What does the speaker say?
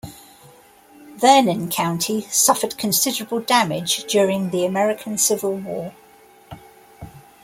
Vernon County suffered considerable damage during the American Civil War.